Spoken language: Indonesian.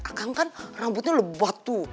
agang kan rambutnya lebat tuh